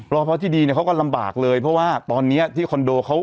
รอพอที่ดีเนี่ยเขาก็ลำบากเลยเพราะว่าตอนนี้ที่คอนโดเขา